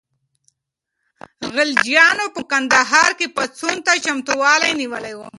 غلجیانو په کندهار کې پاڅون ته چمتووالی نیولی و.